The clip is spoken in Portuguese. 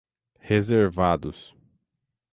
reservados